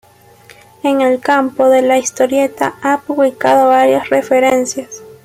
En el campo de la historieta ha publicado varias referencias.